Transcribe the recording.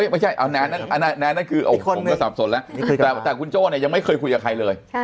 ไม่ใช่เอาแนนนั่นคือสับสนแล้วแต่คุณโจ้เนี่ยยังไม่เคยคุยกับใครเลย